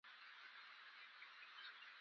ټول پاڅېدو او مزدلفې پر لور روان شوو.